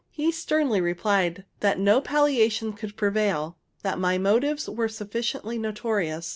He sternly replied, that no palliation could avail; that my motives were sufficiently notorious.